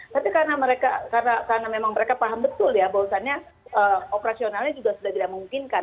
tapi karena memang mereka paham betul ya bahwasannya operasionalnya juga sudah tidak memungkinkan